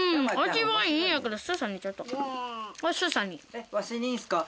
えっわしにいいんすか？